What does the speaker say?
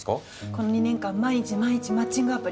この２年間毎日毎日マッチングアプリ。